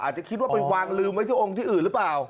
อาจจะคิดว่าไปวางลืมไว้ที่องค์ที่อื่นหรือเปล่า